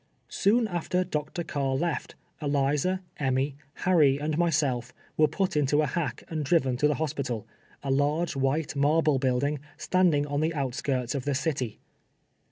Soon after Dr. Carr left, Eliza, Emmy, Harry and myself were put into a hack and driyen to the hospital — a large white marble building, standing on the outskirts of the city.